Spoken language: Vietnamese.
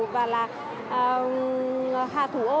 và là hà thủ ô